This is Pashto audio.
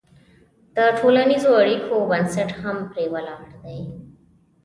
د ټولنیزو اړیکو بنسټ هم پرې ولاړ دی.